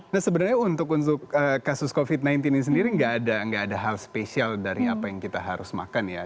nah sebenarnya untuk kasus covid sembilan belas ini sendiri nggak ada hal spesial dari apa yang kita harus makan ya